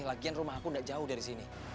lagian rumah aku tidak jauh dari sini